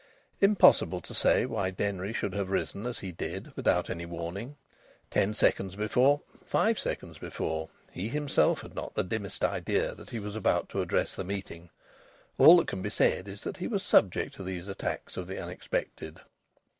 Impossible to say why Denry should have risen as he did, without any warning. Ten seconds before, five seconds before, he himself had not the dimmest idea that he was about to address the meeting. All that can be said is that he was subject to these attacks of the unexpected.